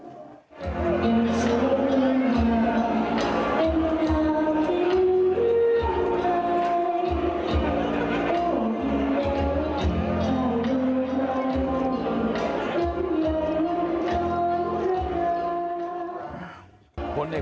โอ้นี่แหละอาวุธรรมยังไงมันต้องรัก